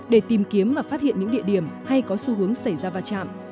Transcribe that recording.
để tìm kiếm và phát hiện những địa điểm hay có xu hướng xảy ra va chạm